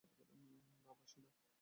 না, বাসি না।